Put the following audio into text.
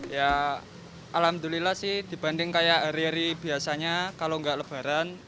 ya alhamdulillah sih dibanding kayak hari hari biasanya kalau nggak lebaran